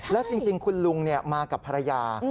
และจริงคุณลุงมากับภรรยา